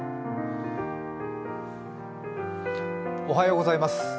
おはようございます。